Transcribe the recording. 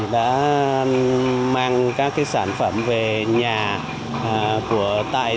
đã mang các sản phẩm về nhà của tại dân